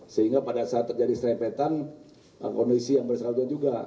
sehingga pada saat terjadi serepetan kondisi yang bersakutan juga